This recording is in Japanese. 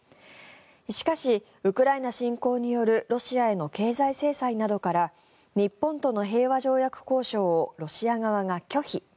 しかし、ウクライナ侵攻によるロシアへの経済制裁などから日本との平和条約交渉をロシア側が拒否。